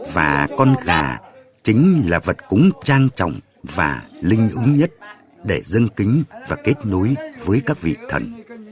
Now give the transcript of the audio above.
và con gà chính là vật cúng trang trọng và linh úng nhất để dân kính và kết nối với các vị thần